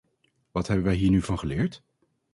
Wat hebben wij hier nu van geleerd?